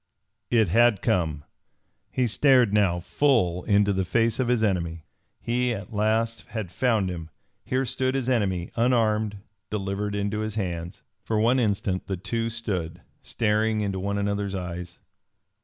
It had come! He stared now full into the face of his enemy! He at last had found him. Here stood his enemy, unarmed, delivered into his hands. For one instant the two stood, staring into one another's eyes.